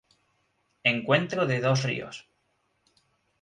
Encuentro de dos ríos.